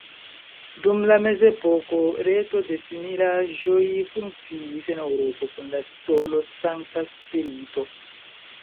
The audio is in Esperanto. Dum la mezepoko reto de similaĵoj funkciis en Eŭropo kun la titolo Sankta Spirito.